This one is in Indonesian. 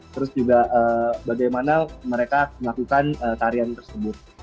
terus juga bagaimana mereka melakukan tarian tersebut